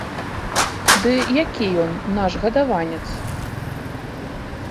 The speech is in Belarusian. Ды які ён наш гадаванец?